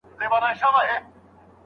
د دې تر څنګ دي دا هم پياد ولري.